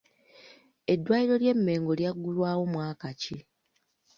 Eddwaliro ly’e Mengo lyaggulwawo mwaki ki?